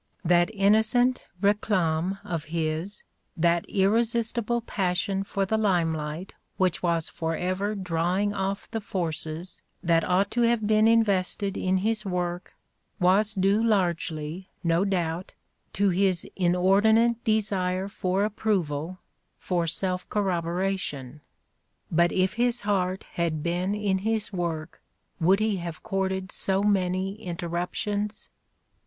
'' That innocent reclame of his, that irresistible passion for the limelight which was forever drawing off the forces that ought to have been invested in his work, was due largely, no doubt, to his inordinate desire for approval, for self corroboration. But if his heart had been in his work would he have courted so many interruptions